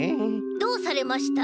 どうされました？